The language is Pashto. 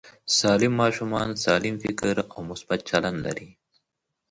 سالم ماشومان سالم فکر او مثبت چلند لري.